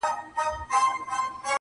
خلک د نړيوالو خبرونو په اړه بحث کوي-